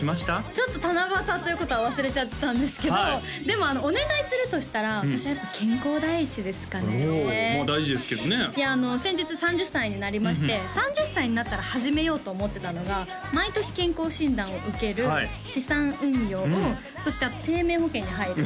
ちょっと七夕ということは忘れちゃってたんですけどでもお願いするとしたら私はやっぱ健康第一ですかねまあ大事ですけどねいや先日３０歳になりまして３０歳になったら始めようと思ってたのが毎年健康診断を受ける資産運用そしてあと生命保険に入る